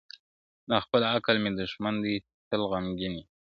دا خپل عقل مي دښمن دی تل غمګین یم،